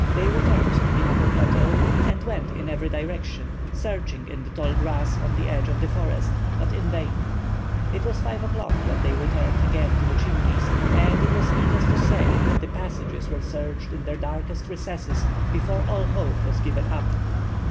They returned to the upper plateau, and went in every direction, searching in the tall grass on the edge of the forest, but in vain. It was 5 o'clock when they returned again to the Chimneys, and it is needless to say that the passages were searched in their darkest recesses before all hope was given up.